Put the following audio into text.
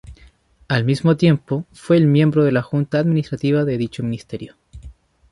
Al mismo tiempo fue miembro de la junta administrativa de dicho ministerio.